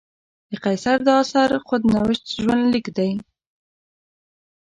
د قیصر دا اثر خود نوشت ژوندلیک دی.